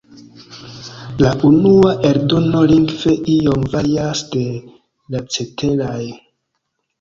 La unua eldono lingve iom varias de la ceteraj.